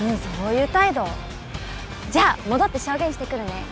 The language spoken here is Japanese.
じゃあ戻って証言してくるね。